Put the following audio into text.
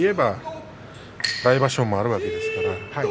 来場所もあるわけですから。